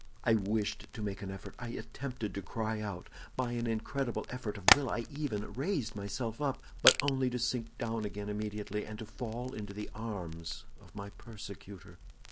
"I wished to make an effort; I attempted to cry out. By an incredible effort of will I even raised myself up, but only to sink down again immediately, and to fall into the arms of my persecutor."